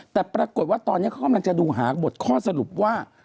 แต่ปรากฏว่าตอนนี้เขากำลังจะดูหาบทข้อสรุปว่า